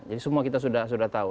jadi semua kita sudah tahu